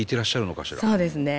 そうですね。